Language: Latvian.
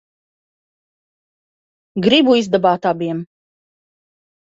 Gribu izdabāt abiem.